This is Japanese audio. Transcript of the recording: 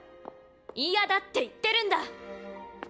嫌だって言ってるんだ！